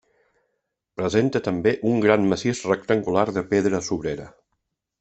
Presenta també un gran massís rectangular de pedra sobrera.